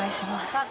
さあ